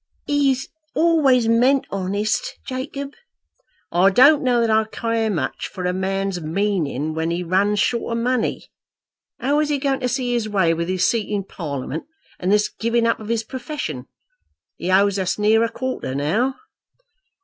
"He always meant honest, Jacob." "I don't know that I care much for a man's meaning when he runs short of money. How is he going to see his way, with his seat in Parliament, and this giving up of his profession? He owes us near a quarter now."